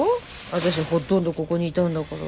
私ほとんどここにいたんだから。